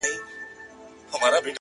o زما په غــېږه كــي نــاســور ويـده دی؛